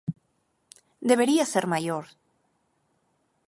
Debería ser maior.